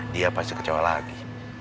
dia pasti kecewa lagi